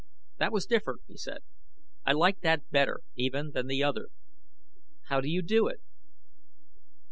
"That was different," he said. "I liked that better, even, than the other. How do you do it?"